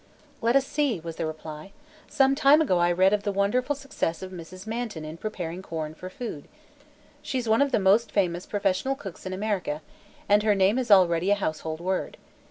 "Let us see," was the reply. "Some time ago I read of the wonderful success of Mrs. Manton in preparing corn for food. She's one of the most famous professional cooks in America and her name is already a household word.